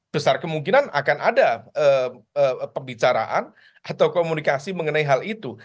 besar kemungkinan akan ada pembicaraan atau komunikasi mengenai hal itu